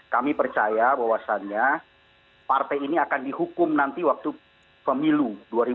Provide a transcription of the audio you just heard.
kami percaya bahwasannya partai ini akan dihukum nanti waktu pemilu dua ribu dua puluh